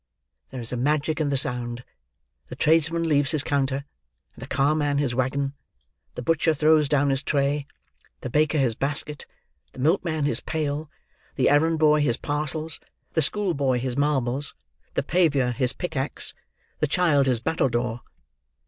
There is a magic in the sound. The tradesman leaves his counter, and the car man his waggon; the butcher throws down his tray; the baker his basket; the milkman his pail; the errand boy his parcels; the school boy his marbles; the paviour his pickaxe; the child his battledore.